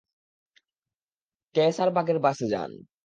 কেয়সারবাগের বাসে যান।